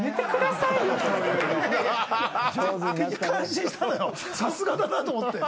さすがだなと思って。